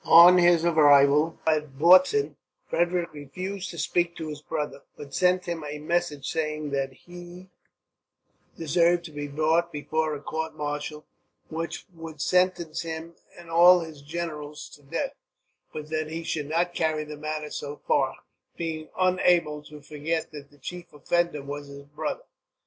On his arrival at Bautzen Frederick refused to speak to his brother, but sent him a message saying that he deserved to be brought before a court martial, which would sentence him and all his generals to death; but that he should not carry the matter so far, being unable to forget that the chief offender was his brother.